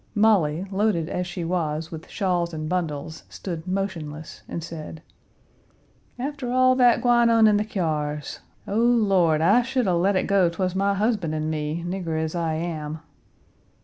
Molly, loaded as she was with shawls and bundles, stood motionless, and said: "After all that gwine on in the kyars! O, Lord, I should a let it go 'twas my husband and me! nigger as I am."